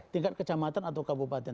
tingkat kecamatan atau kabupaten